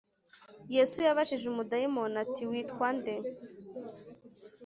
yesu yabajije umudayimoni ati, “witwa nde ?”